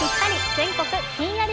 全国ひんやり